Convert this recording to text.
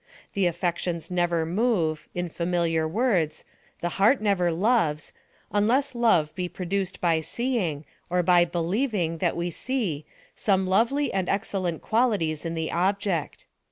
The affections never move — in familiar words — the heart never loves, unless love be produced by seeing, or by believing that we see some lovely and excellent qualities in the object.